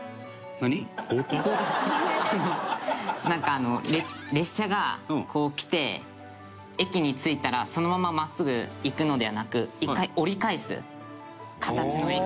なんかあの列車がこう来て駅に着いたらそのまま真っすぐ行くのではなく１回折り返す形の駅。